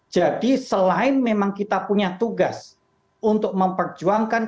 jadi selain memang kita punya tugas untuk memperjuangkan